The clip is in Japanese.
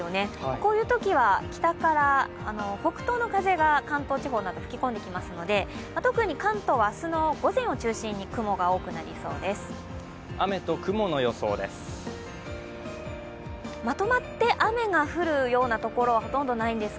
こういうときは北から北東の風が関東地方など吹き込んできますので特に関東は明日の午前を中心に雲が多くなりそうです。